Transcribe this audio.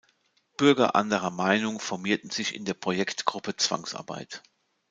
Bürger anderer Meinung formierten sich in der „Projektgruppe Zwangsarbeit“.